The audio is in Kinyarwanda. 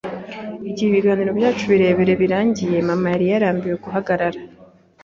Igihe ibiganiro byacu birebire birangiye, Mama yari arambiwe guhagarara.